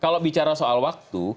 kalau bicara soal waktu